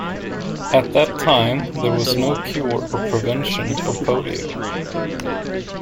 At that time, there was no cure or prevention for polio.